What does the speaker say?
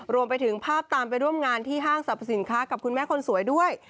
รวมไปถึงภาพตามไปร่วมงานที่ห้างสรรพสินค้ากับคุณแม่คนสวยด้วย